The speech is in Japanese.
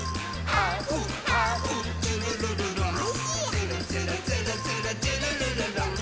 「つるつるつるつるちゅるるるるん」